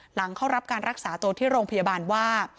หลังเข้ารับการรักษาตัวที่โรงพยาบาลว่า